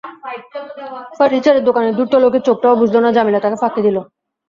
Furniture দোকানের ধূর্ত লোকের চোখটাও বুঝল না, জামিলা তাকে ফাঁকি দিল।